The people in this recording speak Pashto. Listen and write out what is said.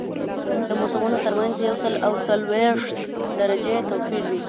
د موسمونو ترمنځ یو سل او څلوېښت درجې توپیر وي